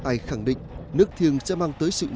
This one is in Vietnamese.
không ai khẳng định nước thiêng sẽ mang tới sự mạnh mẽ